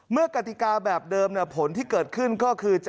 กติกาแบบเดิมผลที่เกิดขึ้นก็คือ